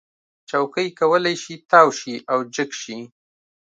چوکۍ کولی شي تاو شي او جګ شي.